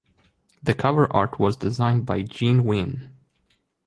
The cover art was designed by Gene Ween.